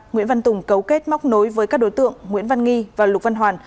nguyễn văn tùng cấu kết móc nối với các đối tượng nguyễn văn nghi và lục văn hoàn